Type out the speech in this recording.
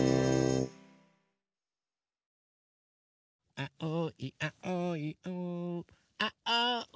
あおいあおいあおん？